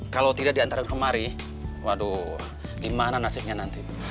kalau tidak diantarkan kemari waduh gimana nasibnya nanti